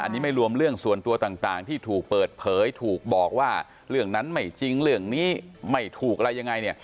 อันนี้ไม่รวมเรื่องส่วนตัวต่างที่ถูกเปิดเผยถูกบอกว่าเรื่องนั้นไม่จริงเรื่องนี้ไม่ถูกอะไรยังไงเนี่ย